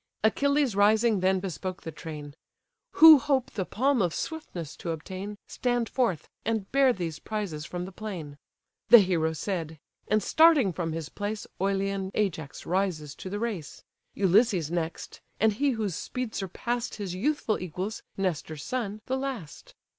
Achilles rising then bespoke the train: "Who hope the palm of swiftness to obtain, Stand forth, and bear these prizes from the plain." The hero said, and starting from his place, Oilean Ajax rises to the race; Ulysses next; and he whose speed surpass'd His youthful equals, Nestor's son, the last.